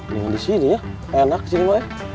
yang di sini ya enak di sini mak